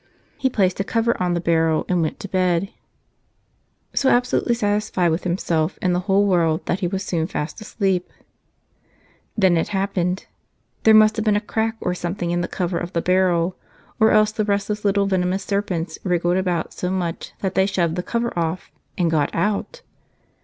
He placed a cover on the barrel and went to bed, so absolutely satisfied with himself and the whole world that he was soon fast asleep. Then it happened. There must have been a crack or something in the cover of the barrel, or else the restless little venomous serpents wriggled about so much that shey shoved the cover off — and got out!